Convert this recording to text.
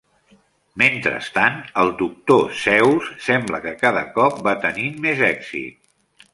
Mentrestant, el Dr. Zeus sembla que cada cop va tenint més èxit.